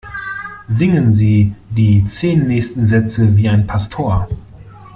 Singen Sie die zehn nächsten Sätze wie ein Pastor!